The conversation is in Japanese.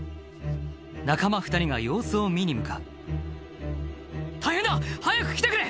仲間２人が様子を見に向かう「大変だ！早く来てくれ」